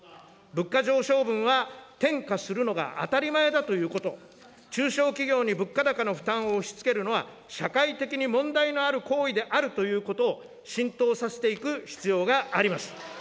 物価上昇分は転嫁するのが当たり前だということ、中小企業に物価高の負担を押しつけるのは、社会的に問題のある行為であるということを浸透させていく必要があります。